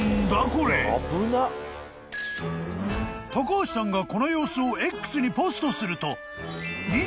［橋さんがこの様子をＸにポストすると］